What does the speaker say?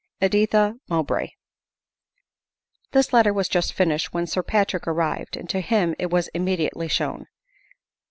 "Editha Mowbray." This letter was just finished when Sir Patrick arrived, and to him it was immediately shown.